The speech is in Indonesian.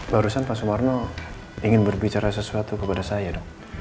barusan pak sumarno ingin berbicara sesuatu kepada saya dong